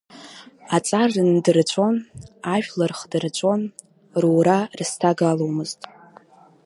Аҵар ндырҵәон, ажәлар хдырҵәон, рура рызҭагаломызт.